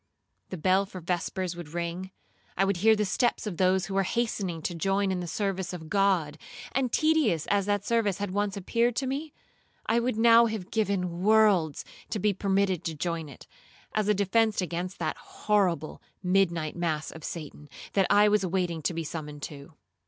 The bell for vespers would ring, I would hear the steps of those who were hastening to join in the service of God, and tedious as that service had once appeared to me, I would now have given worlds to be permitted to join in it, as a defence against that horrible midnight mass of Satan,2 that I was awaiting to be summoned to.